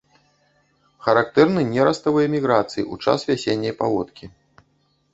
Характэрны нераставыя міграцыі ў час вясенняй паводкі.